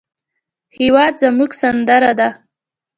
هېواد زموږ سندره ده